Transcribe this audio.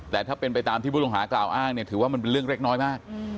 แต่ถ้าเป็นไปตามที่ผู้ต้องหากล่าวอ้างเนี่ยถือว่ามันเป็นเรื่องเล็กน้อยมาก